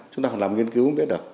chúng ta làm nghiên cứu cũng biết được